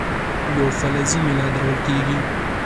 یوه فلزي میله درول کیږي.